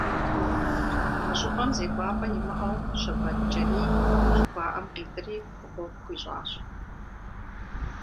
Мы щӀыпӀэм зекӀуапӀэ имыӀэу Щэбэтджэрий жыхуаӀэм къитӀри, гъуэгу хуищӀащ.